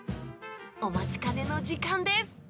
お待ちかねの時間です